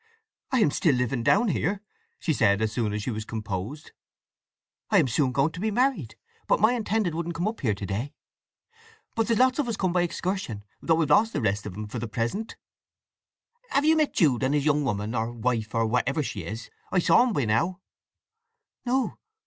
"I am still living down there," she said, as soon as she was composed. "I am soon going to be married, but my intended couldn't come up here to day. But there's lots of us come by excursion, though I've lost the rest of 'em for the present." "Have you met Jude and his young woman, or wife, or whatever she is? I saw 'em by now."